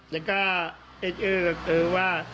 แล้วก็เอ๊ะเอ๊ะก็คือว่า